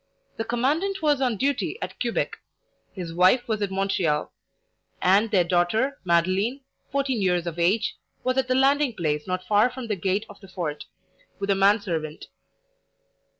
The commandant was on duty at Quebec; his wife was at Montreal; and their daughter, Madeline, fourteen years of age, was at the landing place not far from the gate of the fort, with a man servant.